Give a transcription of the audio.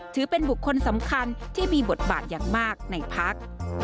ถือเป็นบุคคลสำคัญที่มีบทบาทอย่างมากในพัก